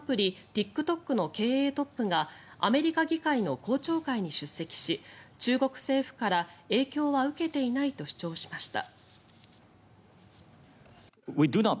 ＴｉｋＴｏｋの経営トップがアメリカ議会の公聴会に出席し中国政府から影響は受けていないと主張しました。